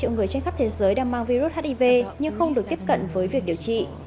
chín hai triệu người trên khắp thế giới đang mang virus hiv nhưng không được tiếp cận với việc điều trị